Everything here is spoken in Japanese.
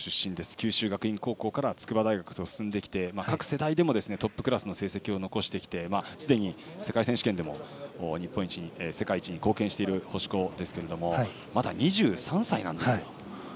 九州学院高校から筑波大学と進んできて各世代でもトップクラスの成績を残してきてすでに世界選手権でも世界一に貢献している星子ですけれどもまだ２３歳なんですよ。